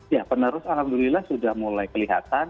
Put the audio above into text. ya penerus alhamdulillah sudah mulai kelihatan